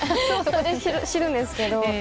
そこで知るんですけど。